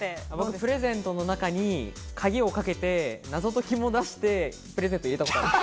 プレゼントの中に鍵をかけて、謎解きも出してプレゼントを入れたことがあります。